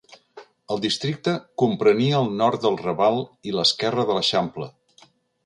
El districte comprenia el nord del Raval i l'Esquerra de l'Eixample.